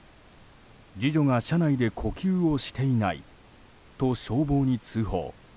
次女が車内で呼吸をしていないと消防に通報。